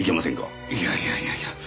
いやいやいやいや。